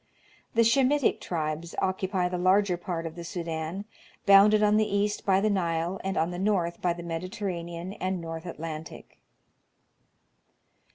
The Shemitic tribes occupy the larger part of the Sudan, bounded on the east by the Nile, and on the north by the Mediterranean and North Atlantic.